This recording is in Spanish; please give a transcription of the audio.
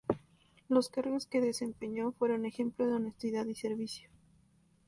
Los cargos que desempeñó fueron ejemplo de honestidad y servicio.